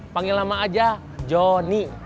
panggil nama aja jonny